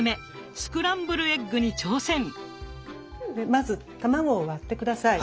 まず卵を割って下さい。